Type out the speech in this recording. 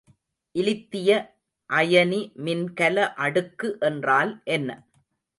இலித்திய அயனி மின்கல அடுக்கு என்றால் என்ன?